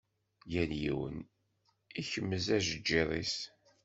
Yal yiwen ikmez ajeǧǧiḍ-is.